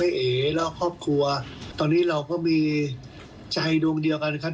แม่เอ๊แล้วครอบครัวตอนนี้เราก็มีใจโดยเดียวกันครับ